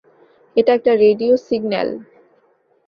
এটা একটা radio signal.